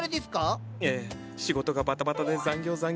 ええ仕事がバタバタで残業残業。